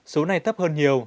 số này tấp hơn nhiều